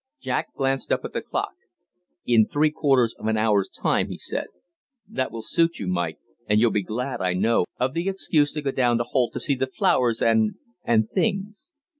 Jack glanced up at the clock. "In three quarters of an hour's time," he said. "That will suit you, Mike, and you'll be glad, I know, of the excuse to go down to Holt to see the flowers and and things.